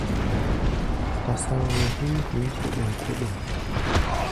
Tasaoʼɛ húí hui kóɗóŋ-kóɗóŋ.